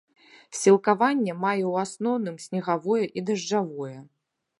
Сілкаванне мае ў асноўным снегавое і дажджавое.